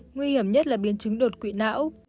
nguy hiểm nhất là biến chứng đột quỵ não